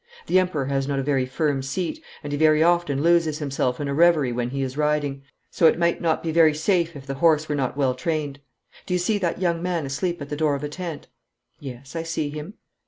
The Emperor has not a very firm seat, and he very often loses himself in a reverie when be is riding, so it might not be very safe if the horse were not well trained. Do you see that young man asleep at the door of a tent?' 'Yes, I see him.'